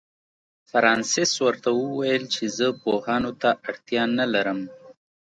فرانسس ورته وویل چې زه پوهانو ته اړتیا نه لرم.